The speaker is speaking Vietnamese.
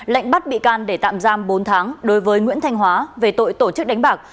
lệnh bắt bị can để tạm giam bốn tháng đối với nguyễn thanh hóa về tội tổ chức đánh bạc